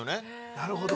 なるほど。